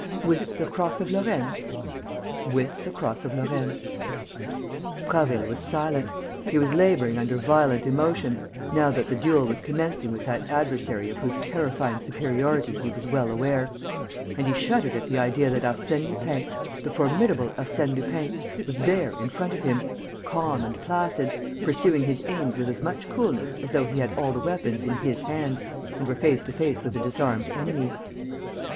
"With the cross of Lorraine?" "With the cross of Lorraine." Prasville was silent. He was labouring under violent emotion, now that the duel was commencing with that adversary of whose terrifying superiority he was well aware; and he shuddered at the idea that Arsène Lupin, the formidable Arsène Lupin, was there, in front of him, calm and placid, pursuing his aims with as much coolness as though he had all the weapons in his hands and were face to face with a disarmed enemy.